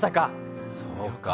そうか。